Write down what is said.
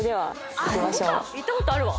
行ったことあるわ。